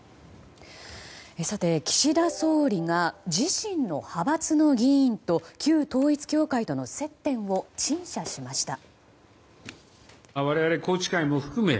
さて、岸田総理が自身の派閥の議員と旧統一教会との接点を陳謝しました。